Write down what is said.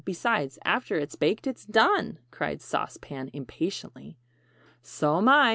Besides, after it's baked it's done!" cried Sauce Pan impatiently. "So'm I!"